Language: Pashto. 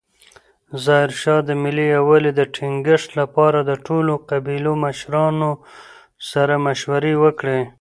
ظاهرشاه د ملي یووالي د ټینګښت لپاره د ټولو قبیلو مشرانو سره مشورې وکړې.